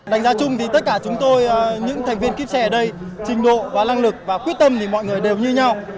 đánh giá chung thì tất cả chúng tôi những thành viên kiếp xe ở đây trình độ và năng lực và quyết tâm thì mọi người đều như nhau